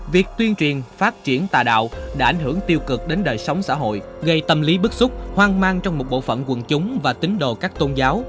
việc tuyên truyền phát triển tà đạo đã ảnh hưởng tiêu cực đến đời sống xã hội gây tâm lý bức xúc hoang mang trong một bộ phận quần chúng và tính đồ các tôn giáo